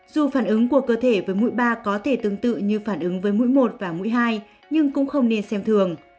dù phản ứng của cơ thể với mũi ba có thể tương tự như phản ứng với mũi một và mũi hai nhưng cũng không nên xem thường